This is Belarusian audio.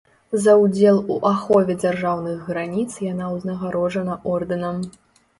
За ўдзел у ахове дзяржаўных граніц яна ўзнагароджана ордэнам.